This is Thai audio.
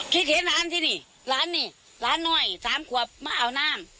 คิดเห็นน้ำสินี่ร้านนี้ร้านน้อย๓ขวบมาเอาน้ำ